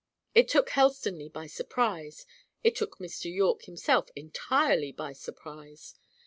It took Helstonleigh by surprise. It took Mr. Yorke himself entirely by surprise.